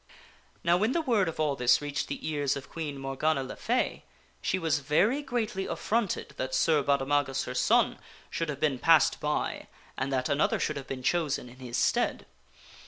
Now when the word of all this reached the ears of Queen Morgana le Fay she was greatly affronted that Sir Baudemagus, her son, should have been passed by and that another should have been chosen in his stead.